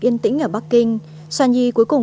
yên tĩnh ở bắc kinh soanyi cuối cùng